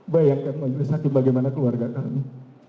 bayangkan majelis hakim bagaimana keluarga kami